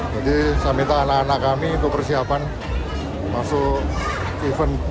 jadi saya minta anak anak kami untuk persiapan masuk event divisi